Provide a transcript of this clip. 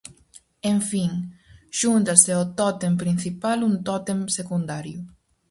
En fin, xúntase ao tótem principal un tótem secundario.